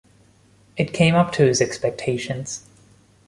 It came up to his expectations.